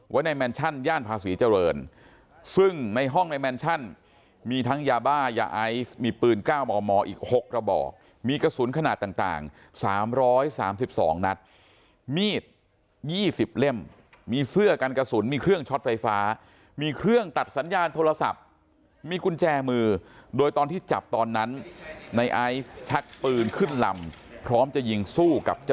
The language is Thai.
ในแมนชั่นย่านภาษีเจริญซึ่งในห้องในแมนชั่นมีทั้งยาบ้ายาไอซ์มีปืน๙มมอีก๖กระบอกมีกระสุนขนาดต่าง๓๓๒นัดมีด๒๐เล่มมีเสื้อกันกระสุนมีเครื่องช็อตไฟฟ้ามีเครื่องตัดสัญญาณโทรศัพท์มีกุญแจมือโดยตอนที่จับตอนนั้นในไอซ์ชักปืนขึ้นลำพร้อมจะยิงสู้กับจ